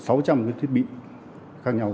số khoảng độ sáu trăm linh cái thiết bị khác nhau